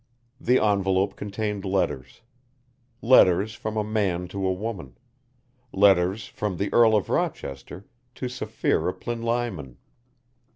The envelope contained letters. Letters from a man to a woman. Letters from the Earl of Rochester to Sapphira Plinlimon.